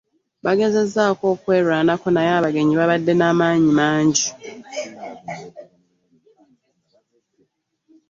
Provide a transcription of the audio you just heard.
Bagezezzaako okwerwanako naye abagenyi babadde n'amaanyi mangi.